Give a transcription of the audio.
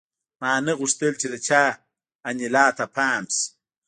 ما نه غوښتل چې د چا انیلا ته پام شي